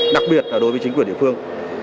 đặc biệt là đối với chính quyền địa phương